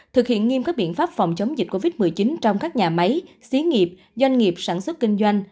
thực hiện nghiêm các biện pháp phòng chống dịch covid một mươi chín trong các nhà máy xí nghiệp doanh nghiệp sản xuất kinh doanh